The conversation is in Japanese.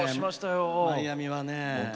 マイアミはね。